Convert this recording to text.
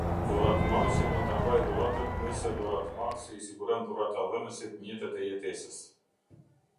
Dhuratëmarrësi mund ta mbaj dhuratën nëse dhuratëmarrësi i siguron dhuratëdhënësit mjetet e jetesës.